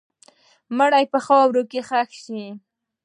مړی په خاوره کې ښخ شو.